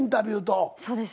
そうです。